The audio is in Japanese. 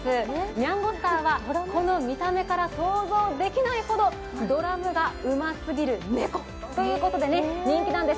にゃんごすたーはこの見た目とは想像できないほどドラムがうますぎる猫ということで人気なんです。